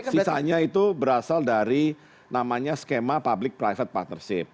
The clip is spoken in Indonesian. sisanya itu berasal dari namanya skema public private partnership